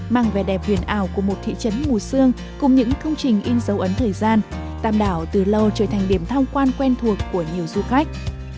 mang vẻ đẹp huyền ảo của một thị trấn mù sương cùng những công trình in dấu ấn thời gian tạm đảo từ lâu trở thành điểm tham quan quen thuộc của nhiều du khách